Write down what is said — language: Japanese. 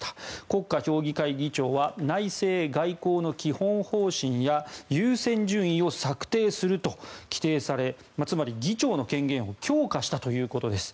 国家評議会議長は内政・外交の基本方針や優先順位を策定すると規定されつまり議長の権限を強化したということです。